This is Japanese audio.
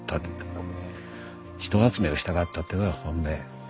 人集めをしたかったっていうのが本音。